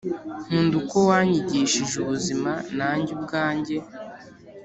nkunda uko wanyigishije ubuzima na njye ubwanjye